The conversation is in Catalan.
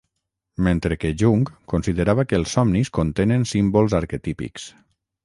mentre que Jung considerava que els somnis contenen símbols arquetípics